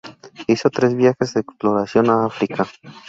Hizo tres viajes de exploración a África.